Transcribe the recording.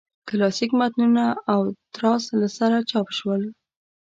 کلاسیک متنونه او تراث له سره چاپ شول.